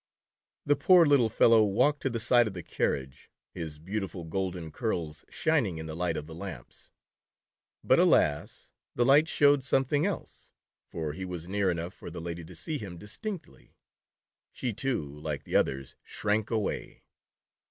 The poor little fellow walked to the side of the carriage, his beautiful golden curls shining in the light of the lamps. But alas, the light showed something else, for when he was near enough for the lady to see him distinctly, she too, like the others, shrank away.